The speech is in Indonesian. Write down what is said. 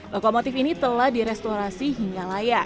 lokomotif ini telah direstorasi hingga layak